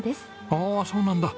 ああそうなんだ。